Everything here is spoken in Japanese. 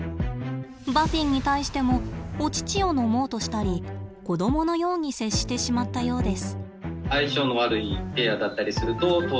バフィンに対してもお乳を飲もうとしたり子どものように接してしまったようです。